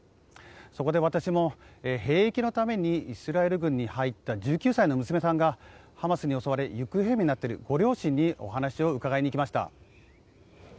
そこで私も、兵役のためにイスラエル軍に入った１９歳の娘さんがハマスに襲われ行方不明になっているご両親にお話を伺いに行きました。